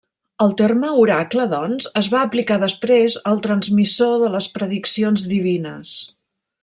El terme oracle doncs es va aplicar després al transmissor de les prediccions divines.